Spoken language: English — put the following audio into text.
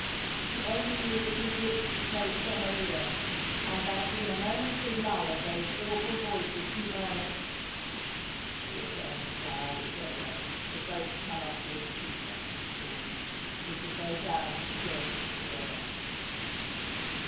She only knew that his lips were close to her car, and that in a momentary lull of tbos# " Love a7td Life and Deaths 309 awful voices he murmnred, "We are going to die, Isola! The boat cannot live through such a storm ! We shall go down to death together